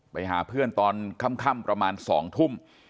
ไปหาเพื่อนตอนค่ำประมาณ๒ทุ่ม